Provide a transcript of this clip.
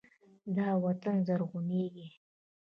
دا وطن به زرغونیږي.